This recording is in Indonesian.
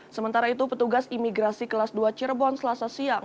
sementara itu petugas imigrasi kelas dua cirebon selasa siang